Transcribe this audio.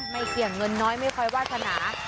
ไม่เสี่ยงเงินน้อยไม่คอยวาสนา